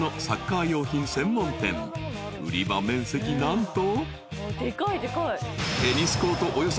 ［売り場面積何と］